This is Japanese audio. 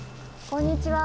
こんにちは。